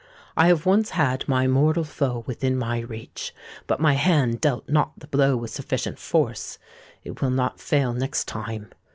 I have once had my mortal foe within my reach; but my hand dealt not the blow with sufficient force. It will not fail next time.